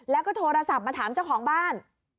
แล้วก็โทรศัพท์มาถามเจ้าของบ้าน